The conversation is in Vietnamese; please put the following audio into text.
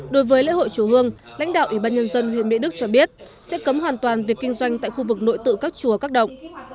đối với lễ hội chùa hương lãnh đạo ủy ban nhân dân huyện mỹ đức cho biết sẽ cấm hoàn toàn việc kinh doanh tại khu vực nội tự các chùa các động